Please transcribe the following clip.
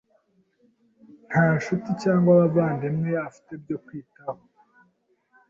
Nta nshuti cyangwa abavandimwe afite byo kumwitaho.